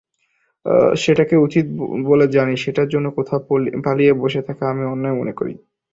যেটাকে উচিত বলে জানি সেটার জন্যে কোথাও পালিয়ে বসে থাকা আমি অন্যায় মনে করি।